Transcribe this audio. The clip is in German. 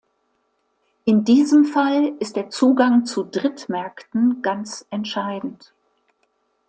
In diesem Fall ist der Zugang zu Drittmärkten ganz entscheidend.